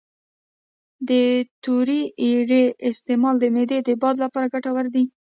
د تورې اریړې استعمال د معدې د باد لپاره ګټور دی